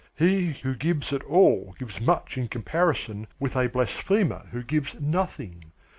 He who gives at all gives much in comparison with a blasphemer who gives nothing.